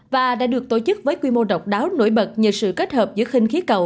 và đã được tổ chức với quy mô độc đáo nổi bật nhờ sự kết hợp giữa khinh khí cầu